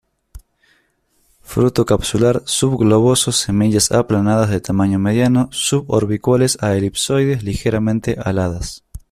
Fruto capsular, subgloboso; semillas aplanadas, de tamaño mediano, suborbiculares a elipsoides, ligeramente aladas.